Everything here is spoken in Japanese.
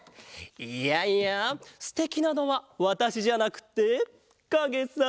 いやいやステキなのはわたしじゃなくてかげさ！